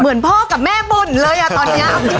เหมือนพ่อกับแม่บุญเลยอะตอนนี้